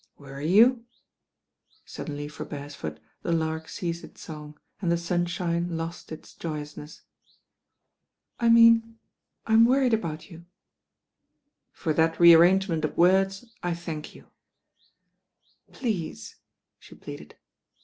••Wony you?" Suddenly for Beresford the lark ceased its song, and the sunshine lost its joyousness. •'I mean I'm worried about you." ••For that re arrangement of words I thank you." ••Please," she pleaded.